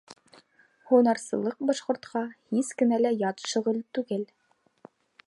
Һунарсылыҡ башҡортҡа һис кенә лә ят шөғөл түгел.